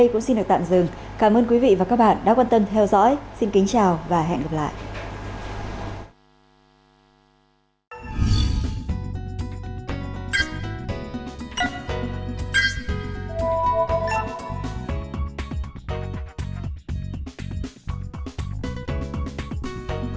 cảm ơn các bạn đã theo dõi và hẹn gặp lại